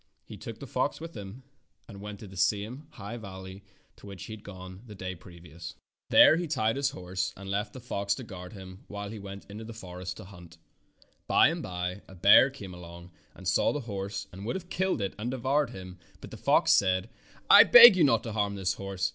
He took the fox with him and went to the same high valley to which he had gone the day previous. There he tied his horse and left the fox to Fairy Tale Foxes 9i guard him while he went into the forest to hunt. By and by a bear came along and saw the horse and would have killed and devoured him, but the fox said: ''I beg you not to harm this horse.